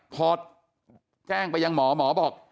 พอแจ้งไปยังหมอหมอบอก